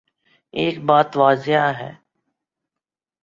ایک بات واضح ہے۔